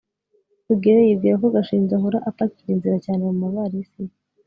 rugeyo yibwira ko gashinzi ahora apakira inzira cyane mumavalisi ye